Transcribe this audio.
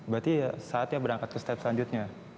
berarti saatnya berangkat ke step selanjutnya